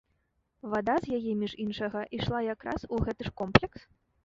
Вада з яе, між іншага, ішла якраз у гэты ж комплекс?